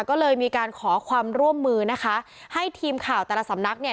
ก็เลยมีการขอความร่วมมือนะคะให้ทีมข่าวแต่ละสำนักเนี่ย